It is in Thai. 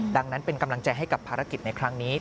ดังนั้นเป็นกำลังใจให้กับภารกิจในครั้งนี้